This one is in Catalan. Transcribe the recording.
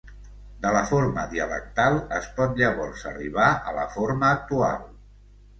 De la forma dialectal es pot llavors arribar a la forma actual.